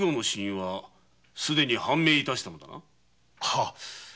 死因はすでに判明いたしたのだな？は。